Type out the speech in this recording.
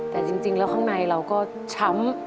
แต่จริงแล้วข้างในเราก็ช้ำ